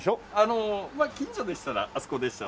まあ近所でしたらあそこでしたら。